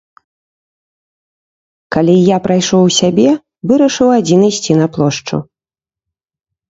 Калі я прайшоў у сябе, вырашыў адзін ісці на плошчу.